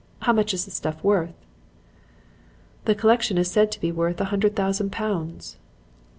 How much is the stuff worth?' "'The collection is said to be worth a hundred thousand pounds.'